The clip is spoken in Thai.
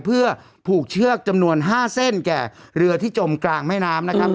เพื่อผูกเชือกจำนวน๕เส้นแก่เรือที่จมกลางแม่น้ำนะครับ